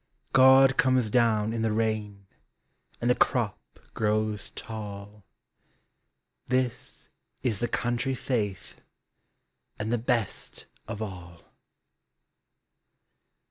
God comes down in the rain, And the crop grows tall — This is the country faith, And the best of all